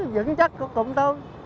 vẫn chắc của chúng tôi